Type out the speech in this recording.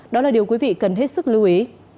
đó là điều quý vị cần hết sức lưu ý